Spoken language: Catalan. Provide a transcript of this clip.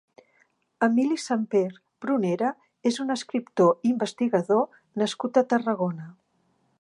Emili Samper Prunera és un escriptor i investigador nascut a Tarragona.